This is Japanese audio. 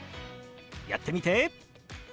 やってみて！